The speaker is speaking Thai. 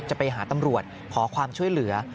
จะไปหาตำรวจขอความช่วยเหลือ